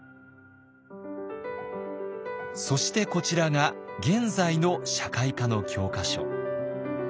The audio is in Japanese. そしてこちらが現在の社会科の教科書。